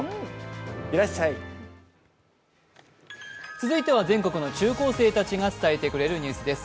続いては全校の中高生たちが伝えてくれるニュースです。